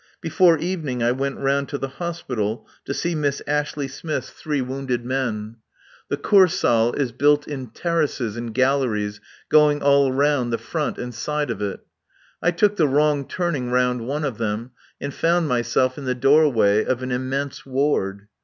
Before evening I went round to the Hospital to see Miss Ashley Smith's three wounded men. The Kursaal is built in terraces and galleries going all round the front and side of it. I took the wrong turning round one of them and found myself in the doorway of an immense ward.